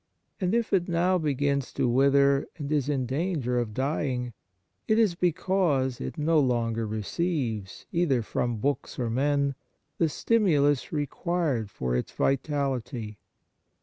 And if it now begins to wither and is in danger of dying, it is because it no longer receives, either from books or men, the stimulus re quired for its vitality.